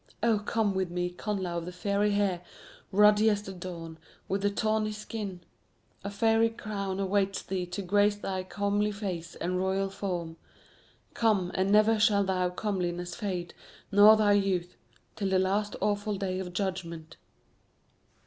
Oh, come with me, Connla of the Fiery Hair, ruddy as the dawn, with thy tawny skin. A fairy crown awaits thee to grace thy comely face and royal form. Come, and never shall thy comeliness fade, nor thy youth, till the last awful day of judgment."